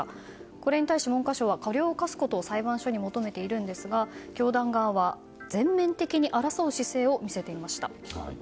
これに対し、文科省は過料を科すことを裁判所に求めているんですが教団側は全面的に争う姿勢を見せていました。